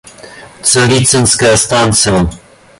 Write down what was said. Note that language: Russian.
Царицынская станция.